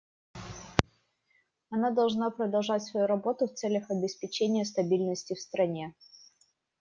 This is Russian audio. Она должна продолжать свою работу в целях обеспечения стабильности в стране.